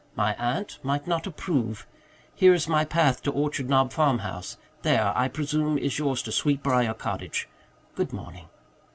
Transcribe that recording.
My aunt might not approve. Here is my path to Orchard Knob farmhouse. There, I presume, is yours to Sweetbriar Cottage. Good morning."